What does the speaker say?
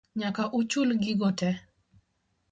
Nyaka uchul gigo tee